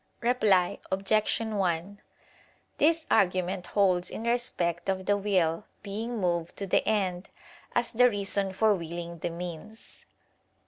Reply Obj. 1: This argument holds in respect of the will being moved to the end as the reason for willing the means.